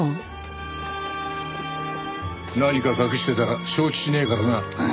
何か隠してたら承知しねえからな。